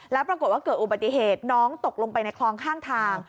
แล้วปรากฏว่าเกิดอุบัติเหตุน้องตกลงไปในคลองข้างทาง